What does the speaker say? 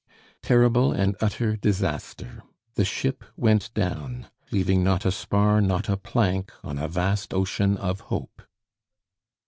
Terrible and utter disaster! The ship went down, leaving not a spar, not a plank, on a vast ocean of hope!